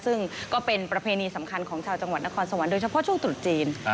ซึ่งก็เป็นประเพณีสำคัญของชาวจังหวัดนครสวรรค์โดยเฉพาะช่วงตรุษจีน